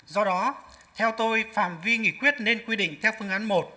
do đó theo tôi phạm vi nghị quyết nên quy định theo phương án một